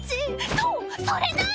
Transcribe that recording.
そうそれなんよ！